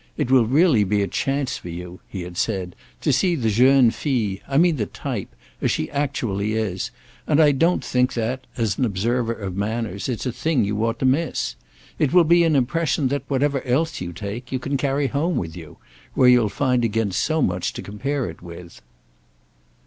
It will really be a chance for you," he had said, "to see the jeune fille—I mean the type—as she actually is, and I don't think that, as an observer of manners, it's a thing you ought to miss. It will be an impression that—whatever else you take—you can carry home with you, where you'll find again so much to compare it with."